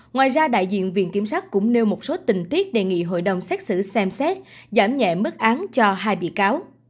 ngoài ra đại diện viện kiểm sát cũng nêu một số tình tiết đề nghị hội đồng xét xử xem xét giảm nhẹ mức án cho hai bị cáo